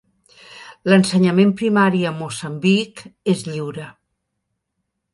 L'ensenyament primari a Moçambic és lliure.